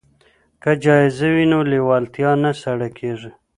که جایزه وي نو لیوالتیا نه سړه کیږي.